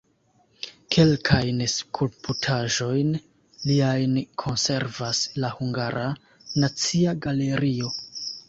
Kelkajn skulptaĵojn liajn konservas la Hungara Nacia Galerio.